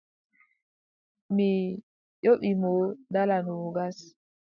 Mi yoɓi mo dala noogas.